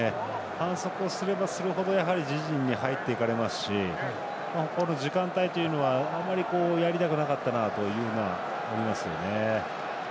反則をすればするほど自陣に入っていかれますしこういう反則はあんまりやりたくなかった感じがしますね。